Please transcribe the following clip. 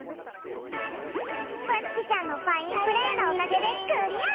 むつきちゃんのファインプレーのおかげでクリア！